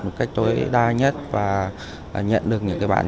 một cách tối đa nhất và nhận được những bản chất